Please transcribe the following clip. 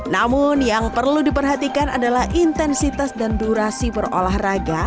namun yang perlu diperhatikan adalah intensitas dan durasi berolahraga